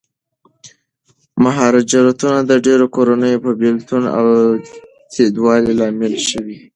مهاجرتونه د ډېرو کورنیو د بېلتون او تیتوالي لامل شوي دي.